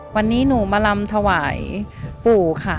วันนี้หนูมาลำถวายปู่ค่ะ